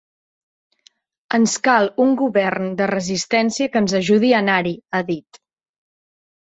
Ens cal un govern de resistència que ens ajudi a anar-hi, ha dit.